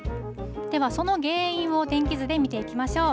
では、その原因を天気図で見ていきましょう。